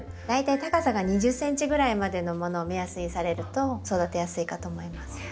大体高さが２０ｃｍぐらいまでのものを目安にされると育てやすいかと思います。